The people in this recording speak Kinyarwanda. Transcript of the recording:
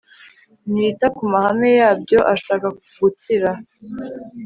ntiyita ku mahame yabyo Ashaka gukira